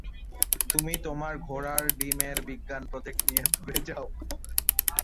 তুমি তোমার ঘোড়ার ডিমের বিজ্ঞান প্রজেক্ট নিয়ে দূরে যাও!